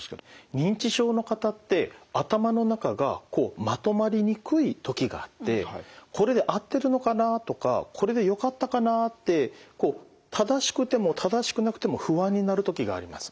認知症の方って頭の中がこうまとまりにくい時があってこれで合ってるのかなとかこれでよかったかなって正しくても正しくなくても不安になる時があります。